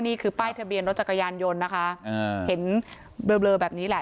นี่คือป้ายทะเบียนรถจักรยานยนต์นะคะอ่าเห็นเบลอแบบนี้แหละ